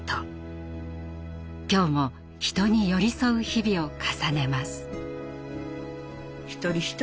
今日も人に寄り添う日々を重ねます。